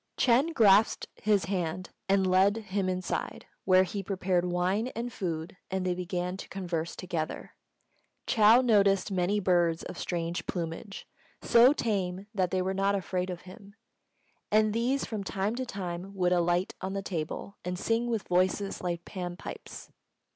Ch'êng grasped his hand and led him inside, where he prepared wine and food, and they began to converse together. Chou noticed many birds of strange plumage, so tame that they were not afraid of him; and these from time to time would alight on the table and sing with voices like Pan pipes.